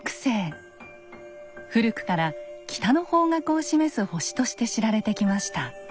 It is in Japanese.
古くから北の方角を示す星として知られてきました。